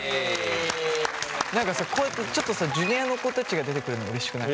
何かさこうやってちょっとさジュニアの子たちが出てくれるのうれしくない？